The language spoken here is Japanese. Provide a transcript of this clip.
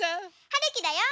はるきだよ。